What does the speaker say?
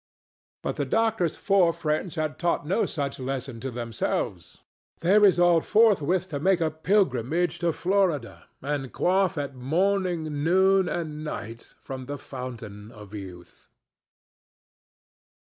But the doctor's four friends had taught no such lesson to themselves. They resolved forthwith to make a pilgrimage to Florida and quaff at morning, noon and night from the Fountain of Youth.